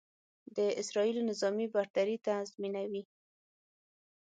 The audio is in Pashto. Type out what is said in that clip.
د اسرائیلو نظامي برتري تضیمنوي.